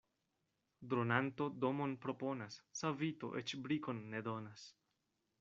Dronanto domon proponas, savito eĉ brikon ne donas.